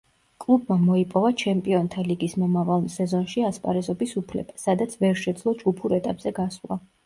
კლუბმა მოიპოვა ჩემპიონთა ლიგის მომავალ სეზონში ასპარეზობის უფლება, სადაც ვერ შეძლო ჯგუფურ ეტაპზე გასვლა.